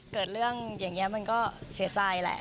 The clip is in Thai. เกิดเรื่องอย่างนี้มันก็เสียใจแหละ